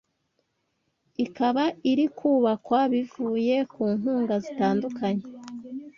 ikaba iri kubakwa bivuye ku nkunga zitandukanye,